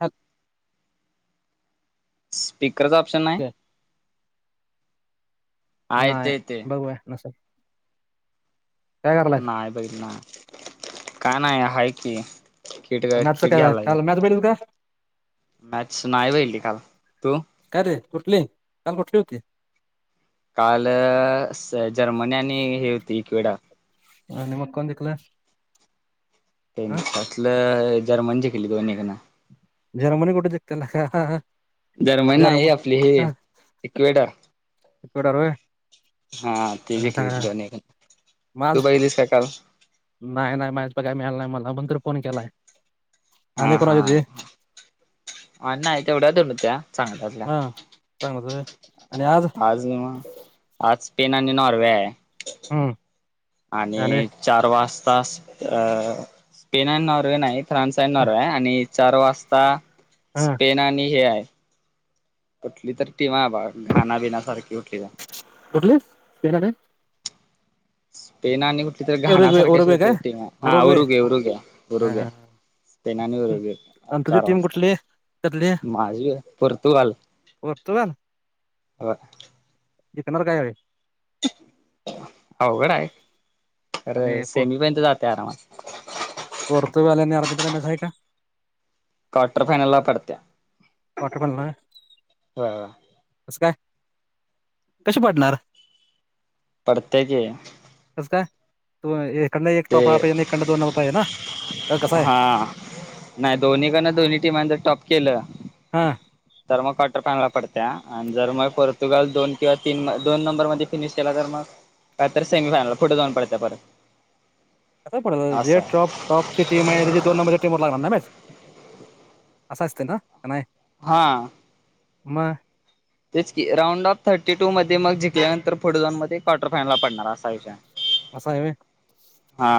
ह. स्पीकरचा ऑप्शन नाय. ओके. येते नाही येते बघूया नसाल. नाही बईल ना का नाही आहे कि किट काय मॅथचं किट घ्यायला.. काल मॅच बघितली का मॅच नाही बघितली काल तू काय रे कुठली काल कुठली होती. काल जर्मनी आणि हे होती एक वेळा अ नि मत् कोण जिकल. लं जर्मनज जिकली दोनकना. जर्मन गोठे जक्त ला का? जर्मन आहे जर्म आपली हे इक्वेटर इ कव्हेटर हा तेी जंकली दोनक माझ तू बघेलीस का काल. नाही नाही माझ्या प काय मिळालं नाही मला पण त फोन केलाय. आणि हा हा कोणाची होती [inaudible] आणि नाही तेवढ्याला तेवढं. हा चांगजय आज ना, आज स्पेन आणि नॉर्वे आहे. हम्म [inaudible] आणि चार वास तास अ स्पेन आणि नॉर्वे नाही फ्रान्स आणि नॉर्वे हाय ह. चार वाजता हा स्पेन आणि हे आहे. कुठली तर टीम आहे आबा घाणा बिनासारखी कुठली तर. कुठली? स्पेन आणि स्पेन आणि कुठली तर घाणा उरुग्वे सारखी अशी उरुग्वे कुठली काय तर टीम हाय आ उरुग्वे उरुगे, उरुगे, हा उरुगे. स्पेन आणि उरुगे आणि तुझी चार टीम वाजता. कुठली त्यातली माझी पोर्तुगाल. पोर्तुगाल ह. जिकणार काय अरे? [inaudible] अवघड हाय खर आणि पो सेमी पर्यंत जा जाते आरामात. पोर्तुगाल आणि अर्जेंटिना मॅच आहे का? क्वार्टर फायनल ला पडत्या. क्वार्टर फायनल होय? होय होय [inaudible] कसं काय? कशी पडणार? पडत्या की. कसं काय? तु इकडन एक टॉप ते अता आणि एकडन दोन नंबर पाहिजे ना? का कसा आहे? [inaudible] हा नाही दोन्हीकडन दोन्ही टीमांन जर टॉप केलं. हा [inaudible] तर मग काठा [unintelligible] पडतीया आणि जर मग पोर्तुगाल दोन किंवा तीन, दोन नंबर मधे फिनिश केला तर मग काय तर सेमीफायनलला कुठं जाऊन पडत्या बघा. कसं पडल जे ट्रॉप टॉपची टीम आहे तेचे दोन नंबरच्या टीम बरोबर लागणार ना मॅच. [inaudible] असं असत ना? हा. मग तेच की राऊंड ऑफ थर्टी टू मध्ये मग जिंल्यानंतर पुढे जाऊन मध्ये क्वार्टर फायनलला पडणार असा विषय हाय. असं आहे होय? हा.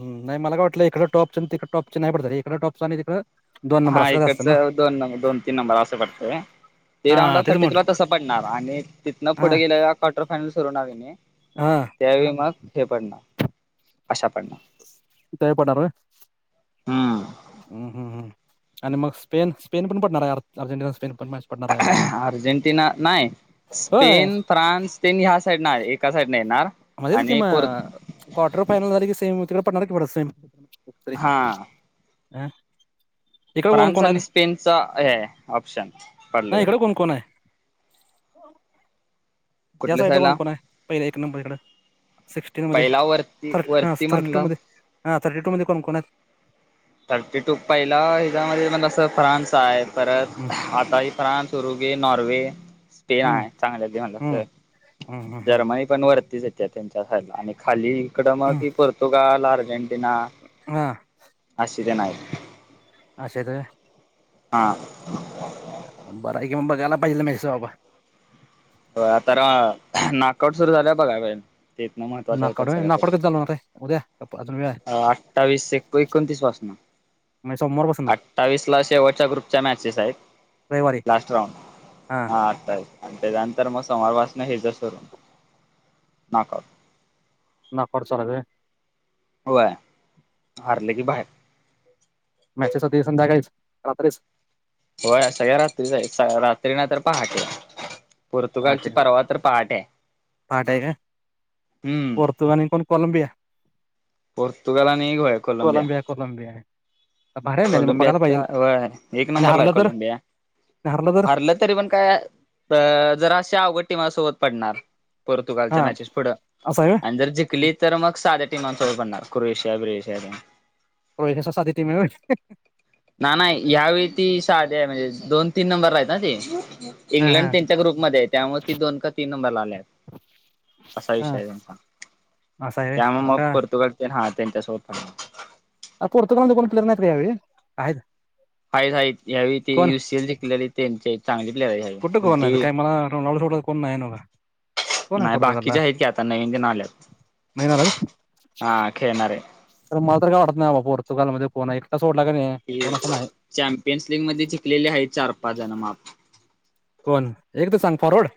ह नाही मला काय वाटलं इकड टॉपच आणि तिकड टॉपच नाही पडत हाय रे. इकंड टॉपचं तिकंड हा इकडच दोन नंबर दोन, तीन नंबर असं पडतय. ते राऊंड हा ऑफ तेच थर्टी म्हटलं तसं पडणार आणि तिथनं हा पुढे गेलेला क्वार्टर फायनल सुरू नवीन. हा त्यावेळी मग हे पडणार अशा पडणार. तया पटापट हम्म. [inaudible] हम्म, हम्म. आणि मग स्पेन, स्पेन पण पडणार अर्जेंटिना, स्पेन. पण मॅच पडणार आहे बाबा अर्जेंटिना नाही होय स्पेन, फ्रान्स तेन ह्या साईड नाही. एका साईड म्हणजेच की म क्वार्टर फायनल झाले कि सेम तिकडे पडणार कि ब सेम. खरये हा हं. फ्रान्स आणि स्पेनचा आहे ऑप्शन. नाही पडलं तर इकडे कोण-कोण आहे? या साईडला कोण-कोण आहे? पहिले एक नंबरकडं. सिक्स्टीन मध्ये पहिला वरती थर्ट हा वरती थर्टी टू म्हणला मध्ये, हा थर्टी टू मध्ये कोणकोण आहेत? थर्टी टू पहिला ह्याच्यामध्ये म्हण फ्रान्स आहे. परत हम्म आता ही फ्रान्स, ऋग्वे, नॉर्वे, स्पेन हम्म आहे. चांगल्या ते म्हणलास तर हम्म हम्म हम्म जर्मनी पण वरतीच ये त्या त्यांच्या खाली. खाली इकड मग हम्म कि पोर्तुगाल, अर्जेंटिना हा अशी [unintelligible] आहेत. अशी आहेत होय? हा. बर आहे, कि म बघायला पाहिजे म्हेसेज बाबा. आता नाकआउट सुरू झालं बघा ते इतन महत्त्वाच नाकआउट होतात होय सगळ्यात. नाकआउट कधी चालू होणार आहे उद्या का अजून वेळ आहे अ अठ्ठावीस एक एकोणतीस पासून. म्हणजे सोमवारपासून अठ्ठावीस ला शेवटच्या ग्रुपच्या मॅचेस आहेत. रविवारी लास्ट राउंड हा आता. आणि त्याच्यानंतर मग सोमावार पासन हेच सुरू नाका ना खर्च लाग होय हारले बाहेर. मॅचेसाठी संध्याकाळीच रात्रीच होय सगळ्या रात्रीच रात्री ना तर पहाटे. पहाटे पोर्तुगालची होय. पर्वातर पहाटे आहे पहाटे आहे काय हम्म. पोर्तुगाल आणि कोण कोलंबिया. पोर्तुगाल आणि गय कोलंबिया. भारी आहे मॅच मग कोलंबिया बघायला पाहिजेल एक आणि नंबरला हारलं तर कोलंबिया. हारलं तरी पण काय जरा त्यावर टीमा सोबत पडणार, पोर्तुगालच्या हा मॅचेस पुढे असं आहे जरा जिंकली तर मग साड सो पण कुरविशिया प्रिशया व्हय साधी टीम आहे व्हय ना नाही या्यावेळी ती साध्या आहे म्हणजे दोन तीन नंबर रा आहेत ना ते. हा हा इंग्लंड तीनच्या ग्रुपमध्येध्ये त्यामुळे ती दोन का तीन नंबर ला आल्या आहेत. असा विषय आहे त्यांचा. हा सा आहे रे त्यामुळे मग अका पोर्तुगाल हा त्यांच्यासोबत पण हाय. पोर्तुगालध्ये कोण प्लेअर नाही का यावेळी, का आहेत? हाईट हाईट यावेळी ते कोण युसीएल शिकलेले त्यांचे चांगले कुठं कोण आहेत मला आणि रोन्याला सोडलं तर कोण नाही नव्हं का. नाही बाकीचे आहेत की आता नवीन ते नाल्यात. नाही आहे तर मला तर काय वाटत ना पोर्तुगाल मध्ये कोणा एकटच चॅम्पियन्स लीग मध्ये जिंकलेली आहे चार पाच जण माप. कोण? एक तर सांग फॉरवड.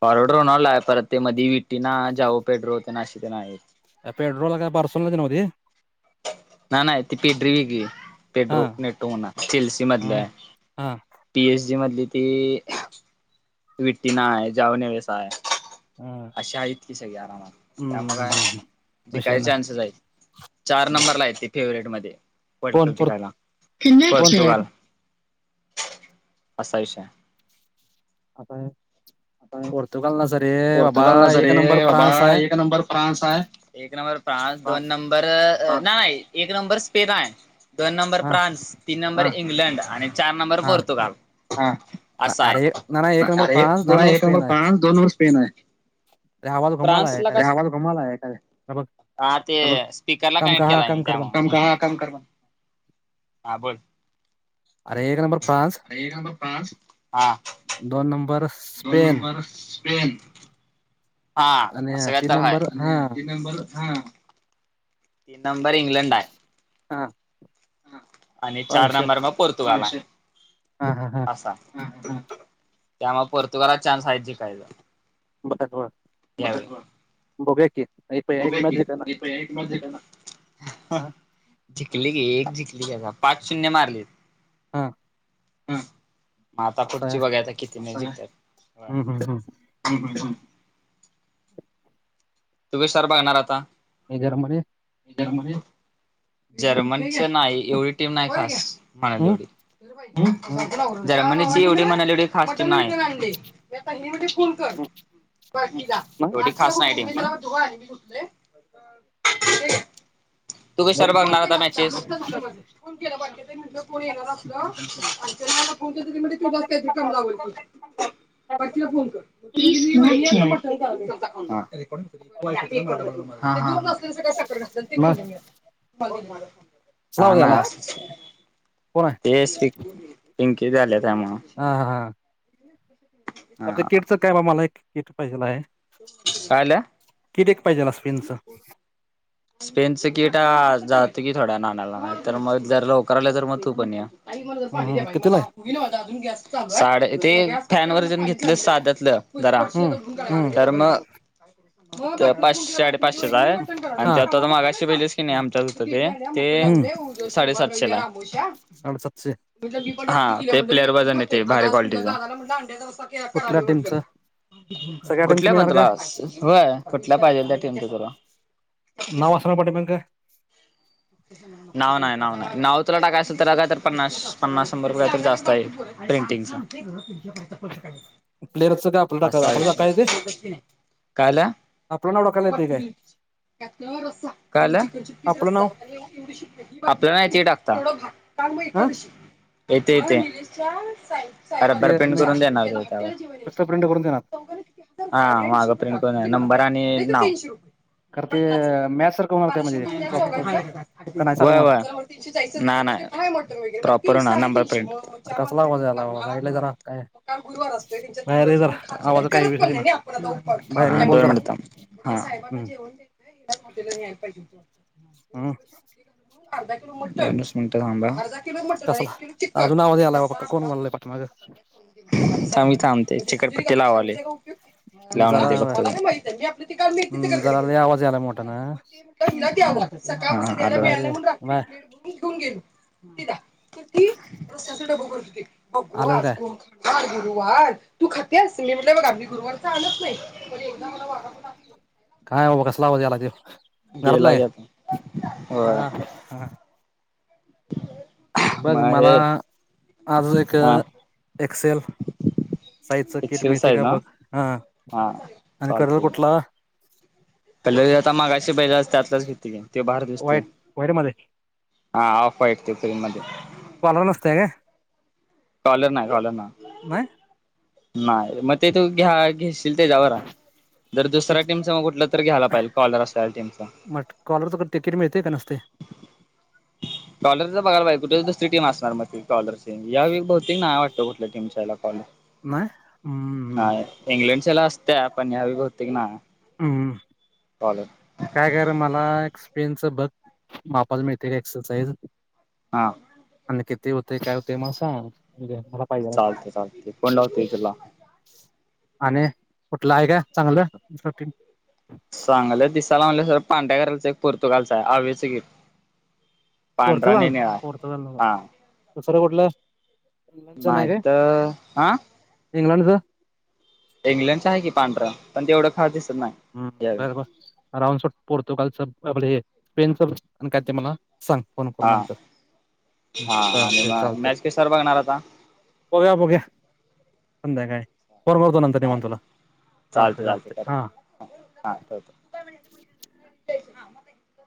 फॉरड, रोनला आहे, परत ते मधी विटीना, जाव पेड्रो ते अशी तीन आहेत. पेट्रोल काय पारस नव्हते. ना नाही ती पेडरी वगी हा पेड्रो नेटो म्हणा सेल्सी मधलं हम्म, आहे. हा पी. एच. डी. मधली ती विठ्टी ना आहे जावनेवेस आहे. हा अशा आहेतत की सगळे आरामात त्यामुळे हम्म, हम्म. काय विषय जिकायचे चान्सेस आहेत. चार नाही नंबर ला ये फेवरेट मध्ये वर्ल्ड कोण कप पोर्त जिंकायला, कोण कनेक्टेड. असा विषय. आता आता. पोर्तुगाल ना सर रे बाबा पोर्तुगाल ना स एक रे नंबर बाबा फ्रान्स आहे एक नंबर फ्रान्स आहे. एक नंबर फ्रान्स, दोन नंबर नाही एक नंबर स्पेनन, दोन नंबर हा फ्रान्स, तीन नंबर इंग्लंड आणि चार नंबर हा पोर्तुगाल. हा असा अरे एक ना ना आहे एक नंबर अरे फ्रान्स दोन ना एक नंबर स्पेन आहे फस,, दोन नंबर स्पेन आहे. अरे आवाज घुमाला आहे फ्रान्सला काय का. आवाज घुमाला एका अरे बघ हा ते स्पीकरला काम का कनेक्ट हा केला काम मी कर पण हा त्यामुळे हा बोल. अरे एक नंबर फ्रान्स एक नबर फ्रानस ह दोन नंबर दोन स्पेन नंबर स्पेन, हा आणि असं काय तीन तर ह नंबर हा तीन नंबर, तीन नंबर इंग्लंड आहे. हा आणि हा चार विषय नंबर मा पोर्तुगाल, हा हा हा असा- त्यामुळे पोर्तुगाला चान्स आहे जिकायचं, बघूया की एक एक बघूया मॅच की, जिंका ना मी पण एक मोजक ए ना, हा जंकली की एक जिंकली गं, पाच शून्य मारली, हा, हम्म, मग आता असं पुढची आहे बघायचं कितीने जिंकेल? हम्म हम्म हम्म हम्म.. तुम्ही सर बघणार आता? हे घर मधे जर्मनी? जर्मनच नाही, एवढी टीम नाही खास- म्हणाल हम्म एवढी, हम्म जर्मनी एवढी म्हणाली एवढी फास्ट नाही- हम्म एवढी खास नाही, कुठले? तू कश्यावर बघणार आता मॅचेस? म्हज कोण येणार असल आणि त्या मध्ये कोण तुझच काही तरी कम लाव- फोन कर [unintelligible] [unintelligible] [unintelligible] हा लाव ना, याला कोण आहे त्यामुळं हा हा हा, तर ते किटच काय बा? मला एक किट पाहिजेल आहे. कायला? किट एक पाहिजेल अ स्पेनचं. स्पेनच किटा जात की थोड्या वेड्यान आणायला तर मग जर लवकर आल्या तर मग तू पण या हम्म हम्म कितीला आहे ते फॅन वर्जेन- साधतलं जरा हम्म हम्म तर मग पाचशे, साडे पाचशेला आहे हा पागाशे पहिले आमच्यात जवळ होत ते, हम्म ते साडेसातशे ला हा, साडेसातशे ते प्लेअर वजन येते भारी क्वालिटीच कुठल्या टीमचं [unintelligible] सगळ्या टीमचं कुठल्या मिळणार काय पाहिजे त्या टीमच तुला? नाव असणार पाठीमागं काय नाव नाय- नाव नाय, नाव तुला टाकाय असेल तर, का तर पन्नास, पन्नास शंभर रुपया तर जास्त आहे प्रिंटिंगच. प्लेयरचं काय आपलं अस टाकायला आपलं टाकाय येतंय आहे. कायला?. आपलं नाव टाकायला येतंय काय कायला? आपलं नाव आपल्या नाही ते टाकता- हा येत येते. रबरी ते प्रिंट मी करून देणार त्यावर. फक्त प्रिंट करून देणार हा मागा प्रिंट कर नंबर आणि नाव. करते मॅ का नाही साधं वय होणार वय, नाय नाय, प्रॉपर नंबर प्रिंट. अरे कसला आवाज यायला बाबा साईडला जरा काय कारण गुरुवार असतोय त्यांच्यात बाहेर ये गुरुवारच कोण जरा खात आणि आवाज काय करत व्यवस्थित पण येईना नाही बाहेर येऊन आपण--, बोल दोन जरा मिनिटे थांब साहेबांना हम्म जेवण देत मोला पाहिजेव हम्म अर्ध दोनच मिनिट थांबा. कसला अजून आवाज यायलाय बाबा कोण बोलायलंय पाठीमागं मी थांबते चिकटपट्टी लावाले. जरा बघते हम्म जरा लय आवाज यायलाय मी. मोठ्यानं [unintelligible] हा बाहेर ये आलो. बाहेर ती रस्त्या डब कर बघू आलंच आज काय कोण [unintelligible] गुरुवार तू खातेस मी म्हटलं बघा मी गुरुवारचा आणत नाही पण एवढ मला [unintelligible] नाही बाबा कसला आवाज यायला तो घरातला गेला आहे की आता होय काय. [inaudible] बघ मग मला हे आज एक हा एक्सेल साईजचं किट एक्सेल मिळते साईज का ना बघ हा हा आणि कलर चालतंय कुठला? कलर आत्ता मागशी बघितला त्यातलं च घेतो की. ते बाहेर दिसतंय व्हाईट व्हाईट मध्ये. हा ऑफ व्हाईट ती क्रीम मध्ये. कॉलर नसतय काय कॉलर नाही कॉलर नाही. नाही मग ते तू घ्या घेशील त्याच्यावर आहे. जर दुसऱ्या किट टीमच मग कुठलं तर घ्यायला पाहिजल कॉलर असलेल्या टीमचा. म तिकीट मिळते का नंसटय कॉलरचा बघायला पाहिजे कुठेच दिस टीम असणार मग ती कॉलर टीम या वेळी बहुतेक नाय वाटतं कुठ टीमच्या ह्याला कॉलर नाही हम्म नाही इंग्लंडच्याला असत्या पण ह्यावेळी बहुतेक नाही. हम्म कॉलर काय काय कर मला एक एक्स्प्रिंग च बघ मापाला मिळते का एक्सल साइज. हा किती होतेय काय होते मग सांग. मला पाहिजे चालतय चालतय फोन लावतो की तुला. आणि कुठलं आहे काय चांगलं चांगलं दिसायला म्हटलं तर पांढऱ्या कलरच एक पोर्तुगालचा आहे. [unintelligible] पांढरा आणि पोर्तुगाल निळा पोर्तुगाल नको. हा. दुसरं कुठलं? नाय नाही काय तर हा इंग्लंडचं. इंग्लंडच आहे की पांढरा पण तेवढं खास दिसत हम्म नाही यावेळी बर बर राहूदे सोड पोर्तुगालच आपलं हे स्पेनच काय ते मला सांग फोन करून हा नंतर. हा आणि चालते मग चालते, मॅच कशावर बघणार आता बघूया बघुया. संध्याकाळी फोन करतो नंतर निवांत चालते तुला हां चालतंय चालतंय हा. हा ठेवतो.